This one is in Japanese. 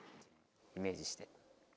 イメージして。